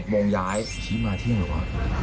๑๑โมงย้ายชี้มาที่อะไรวะ